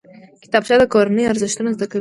کتابچه د کورنۍ ارزښتونه زده کوي